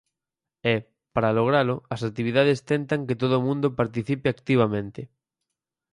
E, para logralo, as actividades tentan que todo o mundo participe activamente.